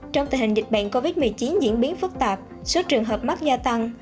trong tình hình dịch bệnh covid một mươi chín diễn biến phức tạp số trường hợp mắc gia tăng